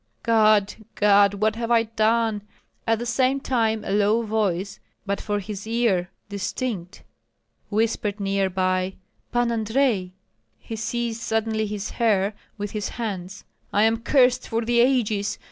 God! God! what have I done?" At the same time a low voice, but for his ear distinct, whispered near by, "Pan Andrei!" He seized suddenly his hair with his hands. "I am cursed for the ages!